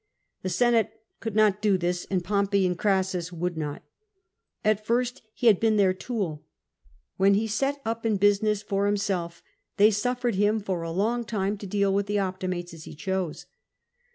The Senate could not do this, and Pompey and Crassus would not. At first he had been their tool. When he set up in busi ness for himself, they suffered him for a long time to deal with the Optimates as he chose.